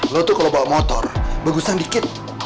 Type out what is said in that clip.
lo tuh kalau bawa motor bagusan dikit